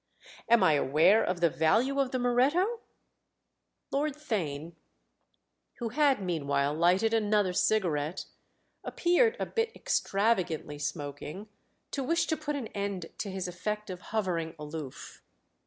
"Am I aware of the value of the Moretto?" Lord Theign, who had meanwhile lighted another cigarette, appeared, a bit extravagantly smoking, to wish to put an end to his effect of hovering aloof.